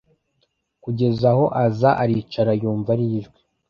Kugeza aho aza aricara Yumva iri jwi